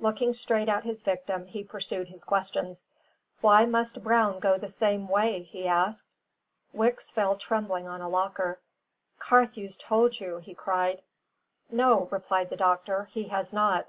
Looking straight at his victim, he pursued his questions. "Why must Brown go the same way?" he asked. Wicks fell trembling on a locker. "Carthew's told you," he cried. "No," replied the doctor, "he has not.